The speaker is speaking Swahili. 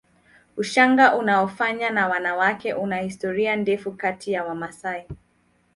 Ushanga unaofanywa na wanawake una historia ndefu kati ya Wamasai